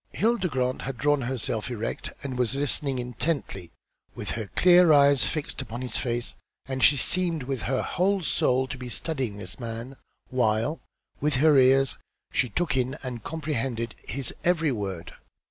Hilda Grant had drawn herself erect, and was listening intently with her clear eyes fixed upon his face, and she seemed with her whole soul to be studying this man, while, with her ears she took in and comprehended his every word.